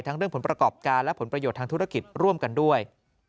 เรื่องผลประกอบการและผลประโยชน์ทางธุรกิจร่วมกันด้วย